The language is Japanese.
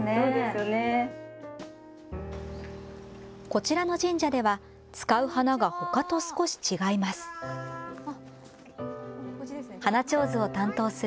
こちらの神社では使う花がほかと少し違います。